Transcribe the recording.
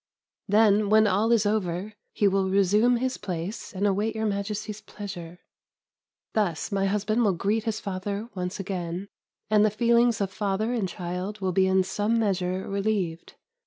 Then, when all is over, he will resume his place and await Your Majesty's pleasure. Thus, my husband will greet his father once again, and the feelings of father and child will be in some measure relieved.